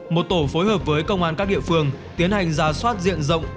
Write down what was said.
một tổ phối hợp với công an các địa phương tiến hành ra soát diện rộng